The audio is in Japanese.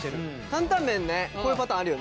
担々麺ねこういうパターンあるよね。